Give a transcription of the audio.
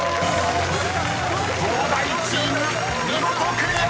［東大チーム見事クリア！］